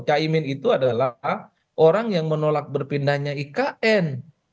caimin itu adalah orang yang menolak berpindahnya ikn